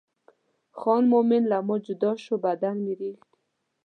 خان مومن له ما جدا شو بدن مې رېږدي.